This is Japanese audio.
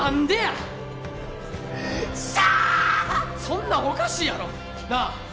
そんなんおかしいやろ！なあ。